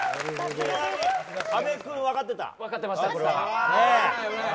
阿部君、分かってた？